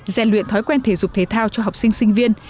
rèn luyện thói quen thể dục thể thao cho học sinh sinh viên